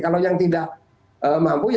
kalau yang tidak mampu